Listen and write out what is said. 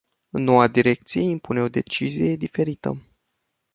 Noua direcție impune o decizie diferită.